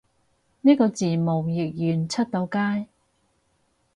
呢個字幕譯完出到街？